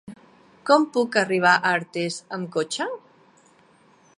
Com puc arribar a Artés amb cotxe?